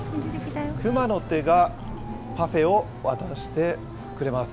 熊の手がパフェを渡してくれます。